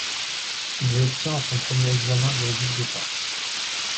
Il y obtient en son premier examen juridique d'État.